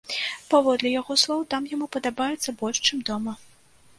Паводле яго слоў, там яму падабаецца больш, чым дома.